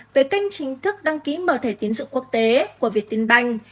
về kênh chính thức đăng ký mở thể tiến dụng quốc tế của việt tình bành